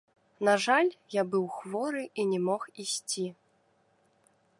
На жаль, я быў хворы і не мог ісці.